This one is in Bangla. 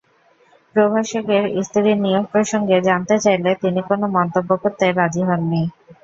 প্রভাষকের স্ত্রীর নিয়োগ প্রসঙ্গে জানতে চাইলে তিনি কোনো মন্তব্য করতে রাজি হননি।